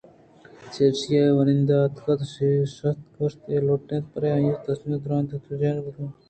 چرایشی ءَ آئی ءِ واہُند ءَ اتک ءُ شت کش اِت لٹّ ئے پرآئی ءِ تِرِٛنگ ءَءُ درّائینت تو جہان دِلترک کُتگ